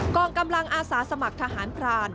กองกำลังอาสาสมัครทหารพราน